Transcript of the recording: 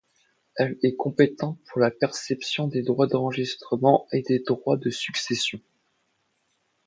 Elle est compétente pour la perception des droits d'enregistrement et des droits de succession.